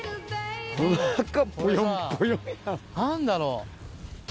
何だろう？